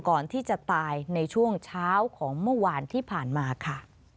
ก่อนที่จะตายในช่วงเช้าของเมื่อวานที่ผ่านมาค่ะ